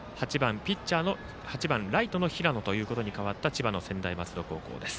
８番ライトの平野ということに代わった千葉の専大松戸高校です。